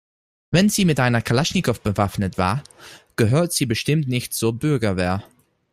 Wenn sie mit einer Kalaschnikow bewaffnet war, gehört sie bestimmt nicht zur Bürgerwehr.